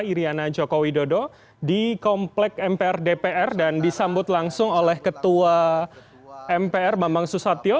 iryana joko widodo di komplek mpr dpr dan disambut langsung oleh ketua mpr bambang susatyo